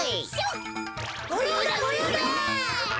ごようだごようだ！